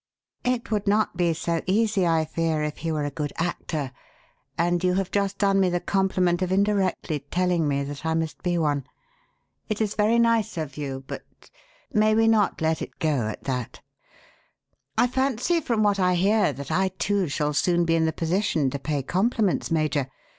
"It would not be so easy, I fear, if he were a good actor and you have just done me the compliment of indirectly telling me that I must be one. It is very nice of you but may we not let it go at that? I fancy from what I hear that I, too, shall soon be in the position to pay compliments, Major.